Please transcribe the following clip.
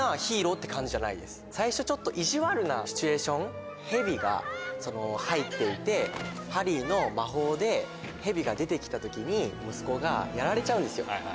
最初ちょっと意地悪なシチュエーションヘビが入っていてハリーの魔法でヘビが出て来た時に息子がやられちゃうんですよ。